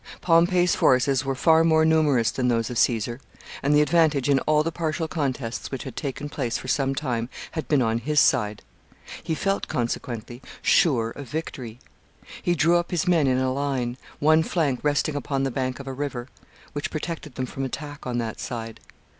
Pompey's forces were far more numerous than those of Caesar, and the advantage in all the partial contests which had taken place for some time had been on his side; he felt, consequently, sure of victory. He drew up his men in a line, one flank resting upon the bank of a river, which protected them from attack on that side.